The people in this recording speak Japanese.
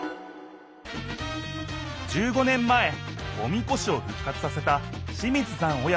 いったい１５年前おみこしを復活させた清水さん